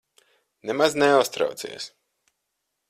Nemaz neuztraucies.